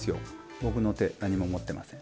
僕の手何も持ってません。